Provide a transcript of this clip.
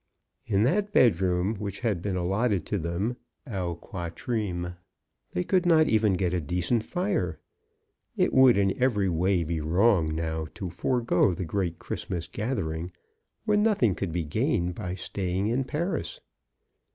In that bedroom which had been allotted to them au qnatrteme they could not even get a decent fire. It would in every way be wrong now to forego the great Christmas gathering when nothing could be gained by staying in Paris.